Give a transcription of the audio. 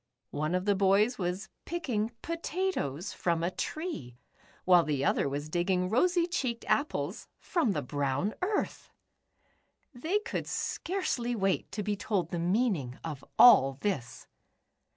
One of the boys w^as picking potatoes from a tree, while the other was digging rosy cheeked apples from the brown earth !! They could scarcely wait to be told the meaning of all this.